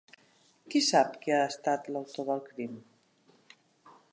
Qui sap qui ha estat l'autor del crim?